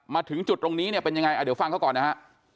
มาถึงจุดตรงนี้เนี่ยเป็นยังไงเดี๋ยวฟังเขาก่อนนะฮะ